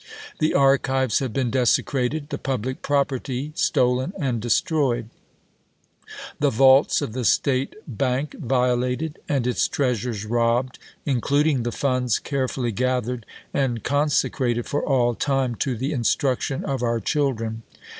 .. The archives have been desecrated ; the public property stolen and destroyed ; the vaults of the State bank violated, and its treasures robbed, includ ing the funds carefully gathered and consecrated for aU time to the instruction of our children.